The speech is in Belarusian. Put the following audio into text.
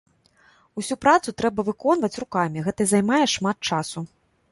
Усю працу трэба выконваць рукамі, гэта займае шмат часу.